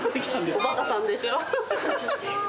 おばかさんでしょ。